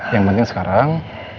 yang penting sekarang